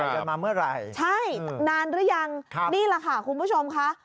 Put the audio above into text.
กันมาเมื่อไหร่ใช่นานหรือยังครับนี่แหละค่ะคุณผู้ชมค่ะ